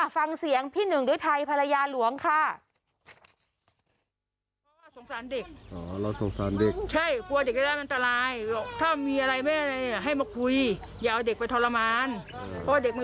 ฟังเสียงพี่หนึ่งฤทัยภรรยาหลวงค่ะ